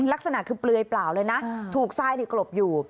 ลักษณะคือเปลือยเปล่าเลยนะถูกทรายในกลบอยู่